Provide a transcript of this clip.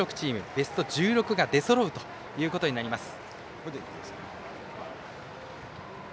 ベスト１６が出そろうということになります。